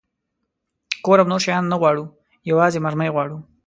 کور او نور شیان نه غواړو، یوازې مرمۍ غواړو.